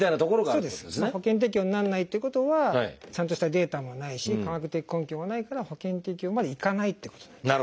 保険適用にならないということはちゃんとしたデータもないし科学的根拠がないから保険適用までいかないってことなんですね。